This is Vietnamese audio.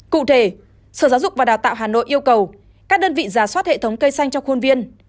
cụ thể sở giáo dục và đào tạo hà nội yêu cầu các đơn vị giả soát hệ thống cây xanh trong khuôn viên